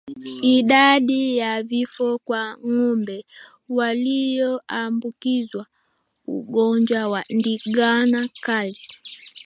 Idadi ya vifo kwa ngombe walioambukizwa ugonjwa wa ndigana kali